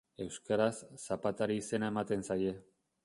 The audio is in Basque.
Euskaraz zapatari izena ematen zaie.